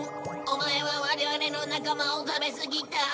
オマエは我々の仲間を食べすぎた。